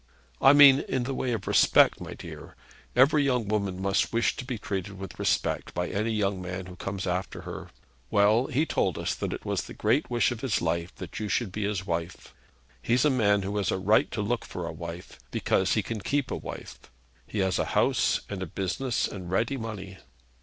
'I mean in the way of respect, my dear. Every young woman must wish to be treated with respect by any young man who comes after her. Well; he told us that it was the great wish of his life that you should be his wife. He's a man who has a right to look for a wife, because he can keep a wife. He has a house, and a business, and ready money.'